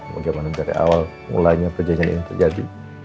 bagaimana dari awal mulainya kejadian ini terjadi